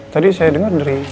tadi saya denger dari